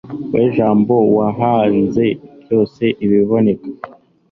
we jambo wahanze byose, ibiboneka